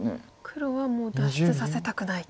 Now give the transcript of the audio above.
黒はもう脱出させたくない。